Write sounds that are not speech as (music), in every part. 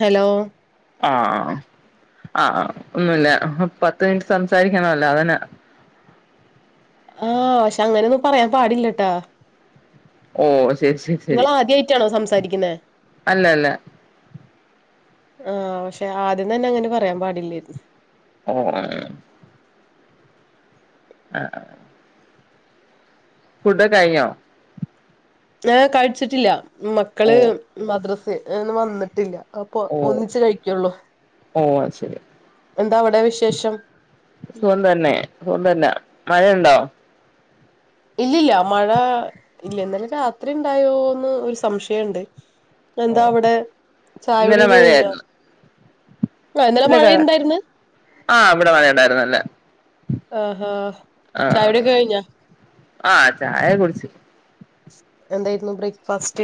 Hello ആഹ് ആഹ് ഒന്നുല്ല പത്ത് മിനിറ്റ് സംസാരിക്കണല്ലോ അതന്നെ ആഹ് പക്ഷെ അങ്ങനൊന്നും പറയാൻ പാടില്ലട്ടോ ഓ ശരി ശരി ശരി ഇങ്ങള് ആദ്യായിട്ടാണോ സംസാരിക്കുന്നേ അല്ല അല്ല ആഹ് പക്ഷെ ആദ്യം തന്നെ അങ്ങനെ പറയാൻ പാടില്ലായിരുന്നു ഓഹ് ആഹ് ഫുഡൊക്കെ കഴിഞ്ഞോ ഏ കഴിച്ചിട്ടില്ല ഓ മക്കള് മദ്രസ്ന്ന് വന്നിട്ടില്ല അപ്പൊ ഓ ഒന്നിച്ച് കഴിക്കുള്ളൂ ഓ ശരി എന്താ അവിടെ വിശേഷം സുഖം തന്നെ സുഖം തന്നെ മഴയുണ്ടോ ഇല്ല ഇല്ല മഴ ഇല്ല ഇന്നലെ രാത്രി ഉണ്ടായോന്ന് ഒരു സംശയണ്ട് പിന്നെ എന്താ ഓ അവിടെ ചായ ഇന്നലെ കുടിയൊക്കെ കഴിഞ്ഞോ മഴയായിരുന്നു ആഹ് ഇന്നലെ ഇല്ല ക മഴയുണ്ടായിരുന്ന് ആഹ് ഇവിടെ മഴയുണ്ടായിരുന്നു ഇന്നല്ലെ ആഹാ ചായ കുടിയൊക്കെ കഴിഞ്ഞോ ആഹ് ചായൊക്കെ കുടിച്ച് എന്തായിരുന്നു ബ്രേക്ക്ഫാസ്റ്റ്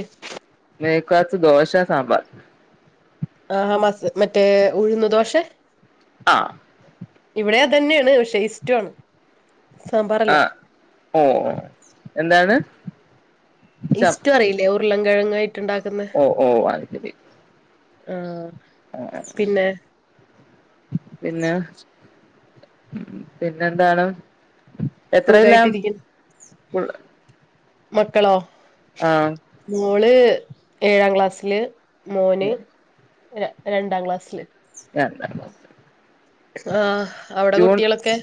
ബ്രേക്ക്ഫാസ്റ്റ് ദോശ സാമ്പാർ ആഹ് മാസ് മറ്റേ ഉഴുന്നു ദോശെ ആഹ് ഇവിടെ അതന്നെയാണ് പക്ഷെ ഇസ്ടു ആണ് സാമ്പാറല്ല ആഹ് ഓഹ് എന്താണ് ച ഇസ്ടോ അറിയില്ലേ ഉരുള കിഴങ്ങായിട്ടു ഉണ്ടാക്കുന്ന ഓ ഓ അത് ആഹ് ആഹ് പിന്നെ പിന്നെ പിന്നെന്താണ് എത്രയിലാ സുഖായിട്ടിരിക്കുന്നു മക്കളോ ആഹ് മോള് ഏഴാം ക്ലാസ്സില് മോന് ര രണ്ടാം ക്ലാസ്സില് (unintelligible) ആ അവിടെ ജൂൺ കുട്ടികളൊക്കെ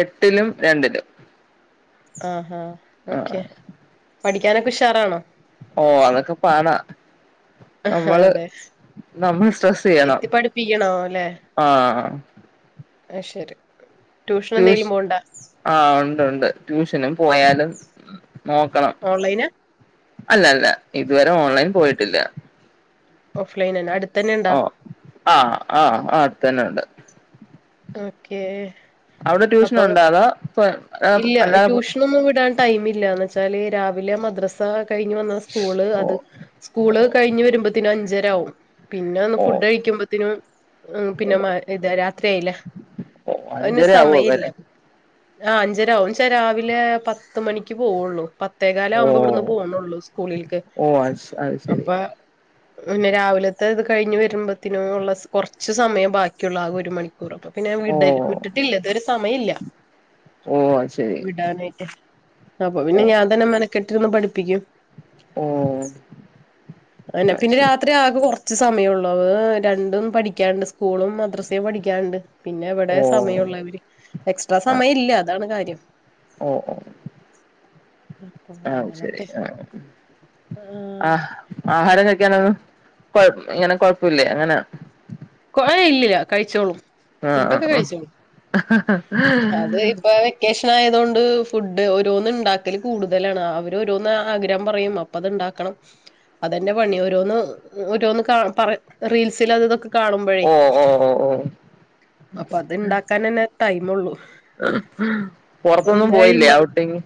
എട്ടിലും രണ്ടിലും ആഹാ ഓക്കെ ആഹ് പഠിക്കാനൊക്കെ ഉഷാറാണോ ഓ അതൊക്കെ പാടാ ആഹാ, നമ്മള് അതെ നമ്മൾ സ്ട്രസ്സ് ചെയ്യണം ഇരുത്തി ആഹ് അയ് ശരി ട്യൂഷൻ എന്തെങ്കിലും പോവ്ണ്ടോ ആ ഉണ്ട് ഉണ്ട് ട്യൂഷനും പോയാലും നോക്കണം ഓൺലൈന അല്ല അല്ല ഇതുവരെ ഓൺലൈൻ പോയിട്ടില്ല ഓഫ് ലൈനന്നെ അട് ഓ ആ ആ ആ അട്ത്തന്നെ ഉണ്ട് ഓക്കേ അവിടെ അപ്പൊ ട്യൂഷനുണ്ടാ അതോ ഇപ്പം ഇല്ല ട്യൂഷനൊന്നും വിടാൻ ടൈമില്ലാന്ന് വെച്ചാല് രാവിലെ മദ്രാസ് ആ കഴിഞ്ഞ് വന്ന് സ്കൂള് ഓ അത് സ്കൂള് കഴിഞ്ഞ് വരുമ്പോത്തിന് അഞ്ചരാവും പിന്നെ ഒന്ന് ഓ ഓ ഫുഡ് കഴിക്കുമ്പോത്ത്നും പിന്നെ മ ഇതാ രാത്രിയയില്ലേ ഓ അയിന് അഞ്ചര ആവോ സമയ ഇല്ല വരാൻ ആ അഞ്ചരാവും എന്ന് വെച്ച രാവിലെ പത്ത് മണിക്ക് പോവുള്ളൂ ഓ പത്തേകാലാവുമ്പോ ഇവിടുന്ന് പോണോള്ളു സ്കൂളിക്ക് ഓ അത് അത് ശരി അപ്പൊ പിന്നെ രാവിലത്തെ ഇത് കഴിഞ്ഞ് വരുമ്പോത്തിനും ഉള്ള കുറച്ച് സമയം ബാ ക്കുള്ള ആകെ ഒരു മണിക്കൂറൊക്കെ അപ്പൊ പിന്നെ ഓ വിട വിട്ടിട്ടില്ല ഇത് വരെ സമയ ഇല്ല ഓ അ വിടാനായിട്ട് അപ്പൊ പിന്നെ ഓ ഞാൻ തന്നെ മെനക്കെട്ടി നിന്ന് പഠിപ്പിക്കും ഓ അതന്നെ അത് പിന്നെ ശരി രാത്രി ആകെ കുറ ച്ച് സമയള്ളൂ അ രണ്ടും പഠിക്കാനുണ്ട് സ്കൂളും മദ്രസയും പഠിക്കാൻണ്ട് പിന്നെ എവിടെ ഓ സമയമുള്ളവര് എക്സ്ട്രാ ആ സമയം ഇല്ല അതാണ് കാര്യം അപ്പൊ ആഹ ശരി അങ്ങനൊക്കെ ആഹ ആഹ ആഹാരം കഴിക്കാനൊന്നും കൊ ഇങ്ങനെ കൊഴപ്പില്ലേ അങ്ങനെ. കൊ ഴഇല്ല കഴിച്ചോളും ആ ആ ഫുണ്ടൊക്കെ ആ കഴിച്ചോളും അത് ഇപ്പൊ. വെക്കേഷൻ ആയതുകൊണ്ട് ഫുഡ് ഓരോന്ന് ഉണ്ടാക്കൽ കൂടുതലാണ് അവർ ഓരോന്ന് ആഗ്രഹം പറയും അ. അപ്പ അത്ണ്ടാക്കണം അതെന്നെ പണി ഓരോന്ന് ഓരോന്ന് റീൽസിൽ അതൊക്കെ കാണുമ്പോഴേ ഓ ഓ ഓ ഓ അപ്പൊ അത് ഇണ്ടാക്കൻന്നെ ടൈം ഉള്ളു. പുറത്തൊന്നും പോയില്ലേ ഔട്ടിങ്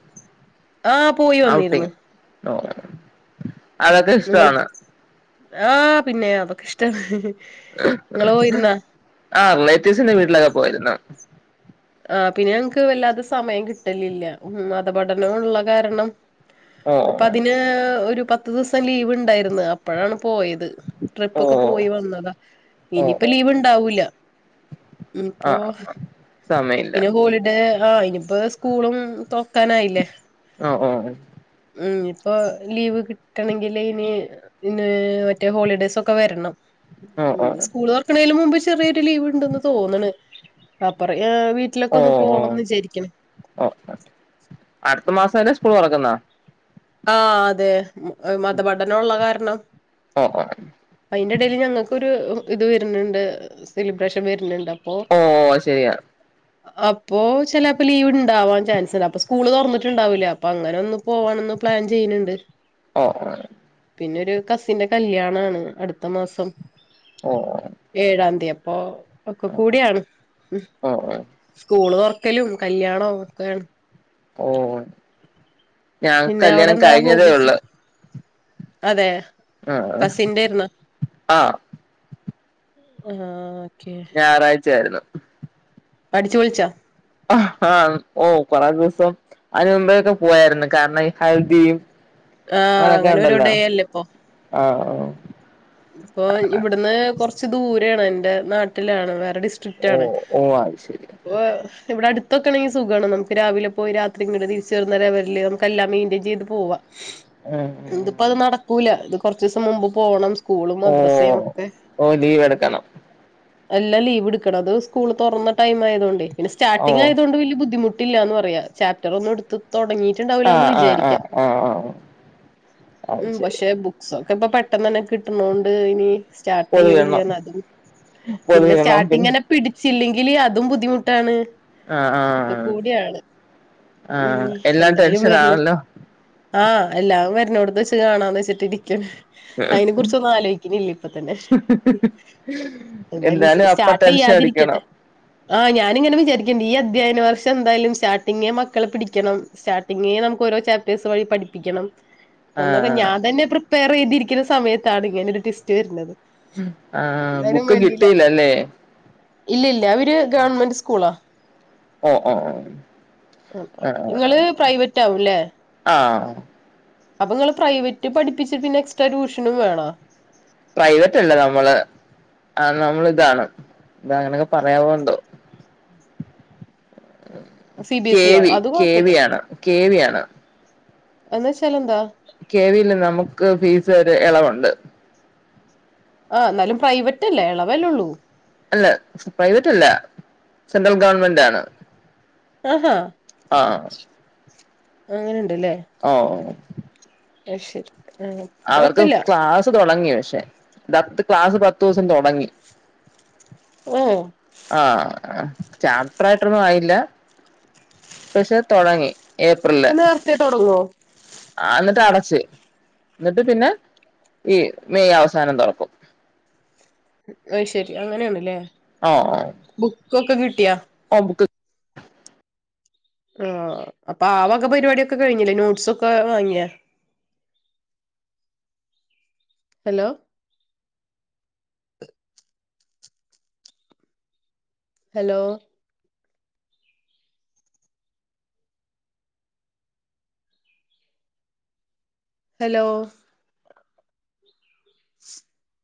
ആ പോയി വന്നിരുന്നു ഔട്ടിങ് ഓ അതൊക്കെ നിങ്ങള് ഇഷ്ടമാണ് ആഹ് പിന്നെ അതൊക്ക ഇഷ്ട നിങ്ങ പോയിരുന്നാ. ആ റിലേറ്റീവ്സിന്റെ വീട്ടിലൊക്കെ പോയിരുന്നു ആഹ പിന്നെ ഞങ്ങക്ക് വല്ലാതെ സമയം കിട്ടലില്ല ഉ മതപഠനള്ള കാരണം ഓ ഇപ്പൊ അതിന് ഒരു പത്ത് ദിവസം ലീവ് ഉണ്ടായിരുന്നു അപ്പോഴാണ് പോയത്. ട്രിപ്പ ഓ ഒക്കെ പോയി വന്നതാ ഓ ഇനിയിപ്പോ ഓ ലീവ് ഉണ്ടാവൂല മ്മ് ആ ഇപ്പോ സമയമില്ല ഇനി ഹോളിഡേ ആ് ഇനിപ്പ സ്കൂളും തുറക്കാനായില്ലേ ഓ ഓ ഓ മ്മ് ഇപ്പോ ലീവ് കിട്ടണെങ്കില് ഇനി പിന്ന മറ്റേ ഹോളിഡേയ്സ് ഒക്കെ വരണം. ഓ ഉ ഓ സ്കൂള് തുറക്കണേന് മുമ്പ് ചെറിയൊരു ലീവ് ഉണ്ടന്ന് തോന്നണ് റ വീട്ടിലൊക്കെ ഓ ഒന്ന് പോകണം എന്ന് വിചാരിക്കണ ഓ അടുത്ത മാസം അല്ലേ സ്കൂൾ തുറക്കുന്ന ആ അതെ മതപഠനള്ള കാരണം അ അ അ അ അതിന്റെടയിൽ ഞങ്ങൾക്കൊരു ഇത് വരുന്നുണ്ട് സെലിബ്രേഷൻ വരുന്നുണ്ട് അ ഓ ഓ ശരിയാണ് അപ്പൊ ചിലപ്പോ ലീവ് ഉണ്ടാവാൻ ചാൻസ് ഉണ്ട് അപ്പൊ സ്കൂള് തുറന്നിട്ടുണ്ടാവൂല്ലേ അപ്പൊ അങ്ങനെ ഒന്ന് പോവാണന്ന് പ്ലാൻ ചെയ്യുന്ണ്ട് ഓ ഓ പിന്നെ ഒരു കസിന്റെ കല്യാണാണ് അടുത്ത മാസം ഓഹ് ഏഴാംന്തി അപ്പൊ ഒക്കെ കൂടിയാണ് ഉ ഓ ഓ സ്കൂൾ തുറക്കലും കല്യാണവും ഒക്കാണ് ഓഹ് ഞങ്ങക്ക്‌ പിന്നെ അവിടെ കല്യാണം എന്താ കഴിഞ്ഞതേ ഹോബീസ് ഉള്ളൂ അതെ ആ കസിന്റെ ആയിരുന്നോ ആ ആഹ് ഓക്കെ ഞായറാഴ്ച ആയിരുന്നു അടിച്ചു പൊളിച്ചോ അഹ് ഹ ഓഹ് കൊറേ ദിവസം അതിന മുമ്പേൊക്കെ പോയായിരുന്നു കാരണം ഈ ഹൽദിയും ആഹ് അങ്ങനൊക്കെ അങ്ങനെ ഒരു ഉണ്ടല്ലോ ഡേ അല്ലേ ഇപ്പൊ ആഹ് ഇപ്പൊ ഇവിടുന്ന് കൊറച്ച് ദൂരെയാണ് എന്റെ നാട്ടിലാണ് വേറെ ഡിസ് ഓ സ്ട്രിക്റ്റാണ് ഓ അത് ശരി അപ്പൊ ഇവിടെടുത്തൊക്കെണെങ്കിൽ സുഖാണ്, നമുക്ക് രാവിലെ പോയി രാത്രിങ്ങട്ട തിരിച്ചു വരുന്ന രീതിയിൽ നമുക്ക് എല്ലാം മെയിന്റയിൻ ചെയ്ത് പോകാം ഉം ഉ ഇതിപ്പ അത് നടക്കൂല ഇത് കൊറച്ച് ദിവസം മുമ്പ് പോകണം സ്കൂളും ഓ മദ്രസയും ഒക്കെ ഓ ലീവ് എടുക്കണം എല്ലാം ലീവ് എടുക്കണം അത് സ്കൂൾ തുറന്ന ടൈം ആയതുകൊണ്ടെ, പിന്നെ ഓ സ്റ്റാർട്ടിങ് ആയതുക കൊണ്ട് വലിയ ബുദ്ധിമുട്ട് ട്ടില്ലന്ന് പറയാ ചാപ്റ്റർ ഒന്നും എടുത്ത് തുടങ്ങിട്ട് ആ ണ്ടാവൂലാന്ന് ആ ആ വിചാരിക്ക, ആ ആ അത് ഉം ശരി പക്ഷെ ബുക്ക്‌ ഒക്കെ പെട്ടെന്ന തന്നെ കിട്ടണോണ്ട് ഇനി സ്റ്റാർട്ട് പൊതിയണം ചെയ്യൂല്ലന്ന്തും പിന്നെ പൊതിയണം പിന്നെ സ്റ്റാർട്ടിങ്ങെന്നെ പിടിച്ചില്ലെങ്കില് അതും ബുദ്ധിമുട്ടാണ് ആഹ് ഒക്കെ ആഹ് കൂടിയാണ് ഉം ആഹ് എല്ലാം എന്തായാലും വർണോ ടെൻഷനാണല്ലോ ആഹ് എല്ലാം വരണോടുത്ത് വെച്ച് കാണാന്ന് വെച്ചിട്ട് ഇരിക്കേണ് ഉം ചൊന്നും ആലോചിക്കണില്ല ഇപ്പ തന്നെ എന്തായാലും അപ്പ സ്റ്റാർട്ട് ടെൻഷൻ ചെയ്യാതിരിക്കട്ടെ അടിക്കണം ആഹ് ഞാനിങ്ങനെ വിചാരിക്കേണ്ടണ്ട് ഈ അധ്യയന വർഷം എന്തായാലും സ്റ്റാർട്ടിംഗ മക്കളെ പിടിക്കണന്ന് സ്റ്റാർട്ടിംങേ നമുക്ക് രോ ചാപ്റ്റേഴ്സ് വഴി പഠിപ്പിക്കണം എന്നന്നൊക്കെ ആഹ് ഞാൻ തന്നെ പ്രിപ്പയർ ചെയ്തിരിക്കുന്ന സമയത്താണ് ഇങ്ങനെ ഒരു ടിസ്റ്റ് വരുന്നത് ആഹ് എന്നാലും ബുക്ക് വേണ്ടില്ല കിട്ടിയില്ലല്ലേ ഇല്ല ഇല്ല അവര് ഗവൺമെന്റ് സ്കൂളാ ഓ ഓ ഓ ങ്ങള് ആഹ് പ്രൈവറ്റ് ആവുംലെ ആഹ് അപ്പൊ നിങ്ങള് പ്രൈവറ്റ് പഠിപ്പിച്ചി പിന്നെ എക്സ്ട്രാ ട്യൂഷനും വേണോ പ്രൈവറ്റ് അല്ലേ നമ്മള് ആഹ് നമ്മള ഇതാണ് ഇത അങ്ങനെയൊക്കെ പറയാവോണ്ടോ സി ബി എസ് ഇ യോ കേവി അത് കൊഴപ്പില്ല കേവിയാണ് കേവിയാണ് എന്നുവെച്ചാൽ എന്താ കെവിൽ നമുക്ക് ഫീസ് ഒരു ഇളവുണ്ട് ആഹ് എന്നാലും പ്രൈവറ്റ് അല്ലേ ഇളവലള്ളൂ അല്ല പ്രൈവറ്റ് അല്ല സെൻട്രൽ ഗവൺമെന്റ് ആണ് ആഹാ ആഹ് അങ്ങനെുണ്ടല്ലേ ഓഹ് ഓഹ് അയ് ശരി ആ അവർക്ക് കൊഴപ്പില്ല ക്ലാസ്സ് തുടങ്ങി പക്ഷെ ത്ത് ക്ലാസ് പത്ത് ദിവസം തുടങ്ങി ആഹ് ആഹ് ചാപ്റ്റർ ആയിട്ടൊന്നും ആയില്ല പക്ഷെ തുടങ്ങി ഇപ്പം നേരത്തെ തുടങ്ങുവോ ആഹ് എന്നിട്ട് അടച്ച് എന്നിട്ട് പിന്നെ ഈ മെയ്‌ അവസാനം തുറക്കും അയ് ശരി അങ്ങനെയാണല്ലേ ആഹ് ആഹ് ബുക്കൊക്കെ കിട്ടിയാ ആം ബുക്ക് ആഹ് അപ്പൊ ആഹ് വക പരിപാടിയൊക്കെ കഴിഞ്ഞില്ലേ നോട്ട്സൊക്കെ വാങ്ങിയാ ഹലോ ഹലോ ഹലോ (inaudible)